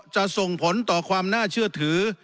จะส่งผลต่อความน่าเชื่อถือ